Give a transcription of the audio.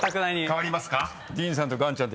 ［代わりますか？］